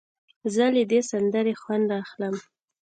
زه له دې سندرې خوند اخلم.